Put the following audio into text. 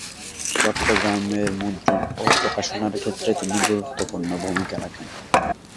চট্টগ্রামে মুদ্রণ ও প্রকাশনার ক্ষেত্রে তিনি গুরুত্বপূর্ণ ভূমিকা রাখেন।